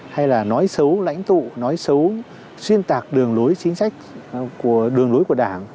hay là nói xấu lãnh tụ nói xấu xuyên tạc đường lối chính sách của đường lối của đảng